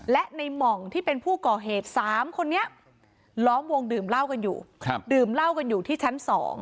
และในหม่องที่เป็นผู้ก่อเหตุ๓คนนี้ล้อมวงดื่มเหล้ากันอยู่ดื่มเหล้ากันอยู่ที่ชั้น๒